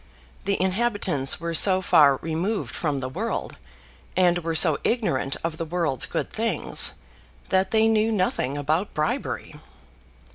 The inhabitants were so far removed from the world, and were so ignorant of the world's good things, that they knew nothing about bribery.